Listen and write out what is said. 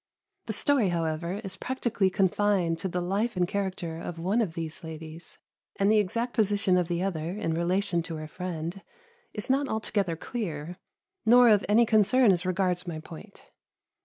The story, however, is practically confined to the life and character of one of these ladies, and the exact position of the other, in relation to her friend, is not altogether clear, nor of any concern as regards my point.